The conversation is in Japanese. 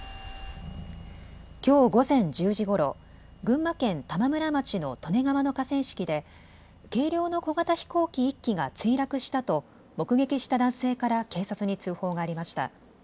きょう午前１０時ごろ、群馬県玉村町の利根川の河川敷で、軽量の小型飛行機１機が墜落したと目撃した男性から警察に通報がありました。